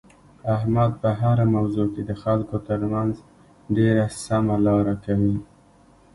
احمد په هره موضوع کې د خلکو ترمنځ ډېره سمه لاره کوي.